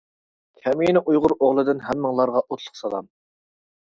كەمىنە ئۇيغۇر ئوغلىدىن ھەممىڭلارغا ئوتلۇق سالام.